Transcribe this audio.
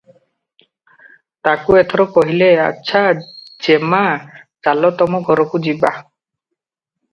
ତାକୁ ଏଥର କହିଲେ- "ଆଚ୍ଛା, ଯେମା, ଚାଲ ତମ ଘରକୁ ଯିବା ।